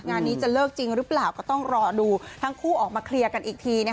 งานนี้จะเลิกจริงหรือเปล่าก็ต้องรอดูทั้งคู่ออกมาเคลียร์กันอีกที